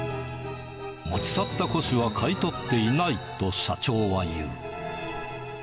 持ち去った古紙は買い取っていないと社長は言う。